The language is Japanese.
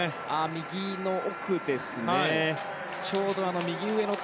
右の奥ですね。